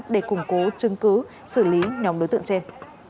để củng cố chương cứu xử lý nhóm đối tượng trên